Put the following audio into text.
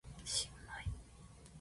新米